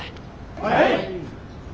はい！